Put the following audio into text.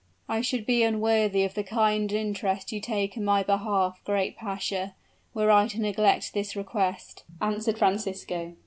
"I should be unworthy of the kind interest you take in my behalf, great pasha, were I to neglect this request," answered Francisco.